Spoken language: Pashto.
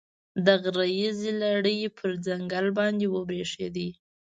د غره ییزې لړۍ پر ځنګل باندې وبرېښېده.